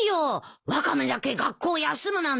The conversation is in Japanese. ワカメだけ学校休むなんて。